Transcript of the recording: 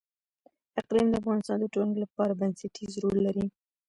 اقلیم د افغانستان د ټولنې لپاره بنسټيز رول لري.